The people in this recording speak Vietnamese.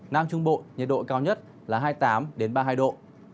nam trung bộ nhiệt độ cao nhất là hai mươi tám ba mươi hai độ